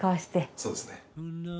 そうですね。